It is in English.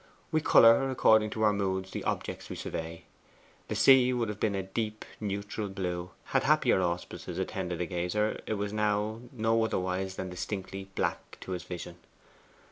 We colour according to our moods the objects we survey. The sea would have been a deep neutral blue, had happier auspices attended the gazer it was now no otherwise than distinctly black to his vision.